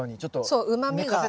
そううまみが。